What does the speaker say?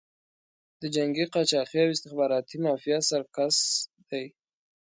د جنګي قاچاقي او استخباراتي مافیا سرکس دی.